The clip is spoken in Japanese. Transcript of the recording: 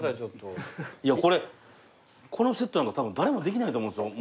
いやこれこのセットたぶん誰もできないと思うんですよ。